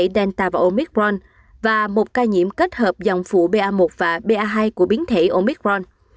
một ca nhiễm delta omicron và một ca nhiễm kết hợp dòng phụ ba một và ba hai của biến thể omicron